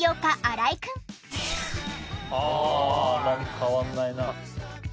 ああ変わんないな。